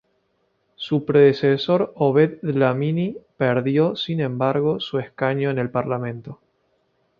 Su predecesor Obed Dlamini perdió, sin embargo, su escaño en el Parlamento.